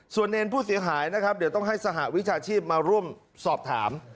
ส่วนเน้นผู้เสียหายต้องให้สหวิชาชีพมาร่วมสอบถาม